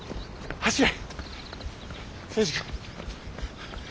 走れ。